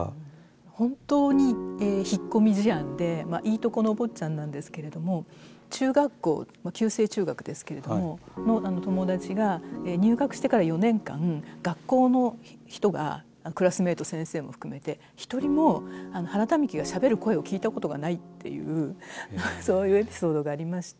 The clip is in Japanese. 本当に引っ込み思案でいいとこのお坊ちゃんなんですけれども中学校旧制中学ですけれどもの友達が入学してから４年間学校の人がクラスメート先生も含めて一人も原民喜がしゃべる声を聞いたことがないっていうそういうエピソードがありまして。